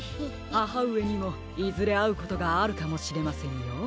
ははうえにもいずれあうことがあるかもしれませんよ。